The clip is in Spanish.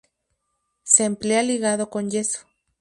Se emplea ligado con yeso.